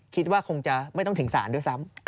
คิดว่าคงจะไม่ต้องถึงศาลด้วยซ้ำ